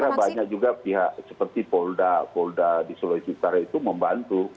saya kira banyak juga pihak seperti polda polda di seluruh istana itu membantu